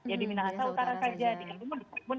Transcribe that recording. ya di minahasa utara saja di kabupaten pun